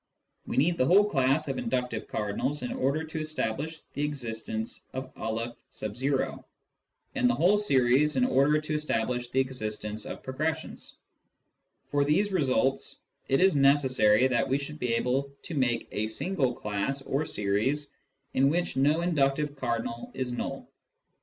We need the whole class of inductive cardinals in order to establish the existence of M , and the whole series in order to establish the existence of progressions : for these results, it is necessary that we should be able to make a single class or series in which no inductive cardinal is null.